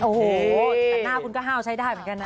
โอ้โหแต่หน้าคุณก็ห้าวใช้ได้เหมือนกันนะ